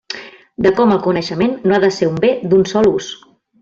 De com el coneixement no ha de ser un bé d'un sol ús.